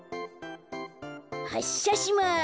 はっしゃします。